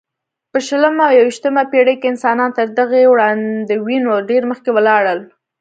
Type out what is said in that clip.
په شلمه او یویشتمه پېړۍ کې انسانان تر دغې وړاندوینو ډېر مخکې ولاړل.